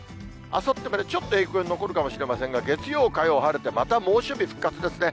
あさってまでちょっと影響残るかもしれませんが、月曜、火曜晴れて、また猛暑日復活ですね。